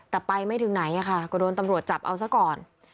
แต่ไปไม่ถึงไหนค่ะก็โดนตำรวจจับเอาซะก่อน